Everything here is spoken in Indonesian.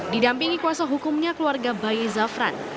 didampingi kuasa hukumnya keluarga bayi zafran